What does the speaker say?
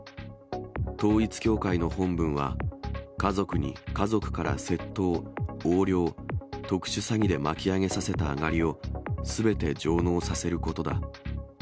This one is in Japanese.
統一教会の本分は、家族に家族から窃盗、横領、特殊詐欺で巻き上げさせたアガリをすべて上納させることだ。